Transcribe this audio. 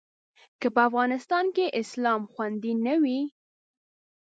که په افغانستان کې اسلام خوندي نه وي.